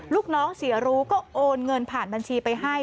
ลูกน้องเสียรู้ก็โอนเงินผ่านบัญชีไปให้